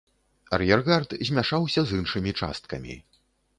Ар'ергард змяшаўся з іншымі часткамі.